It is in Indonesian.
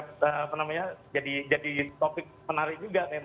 karena jadi topik menarik juga memang